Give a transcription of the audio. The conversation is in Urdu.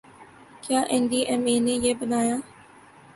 کیا این ڈی ایم اے نے یہ بنایا